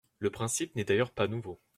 Le principe n’est d’ailleurs pas nouveau.